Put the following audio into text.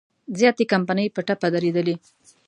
زیاتې کمپنۍ په ټپه درېدلي.